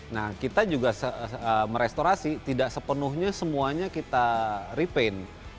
nah kita juga merestorasi tidak sepenuhnya semuanya kita repaint